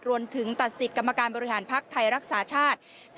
รวมถึงตัดสิทธิ์กรรมการบริหารภักดิ์ไทยรักษาชาติ